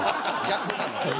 逆なのよ。